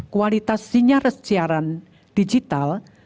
kualitas sinar siaran digital